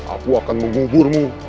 aku akan menguburmu